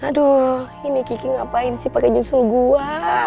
aduh ini kiki ngapain sih pake nyusul gue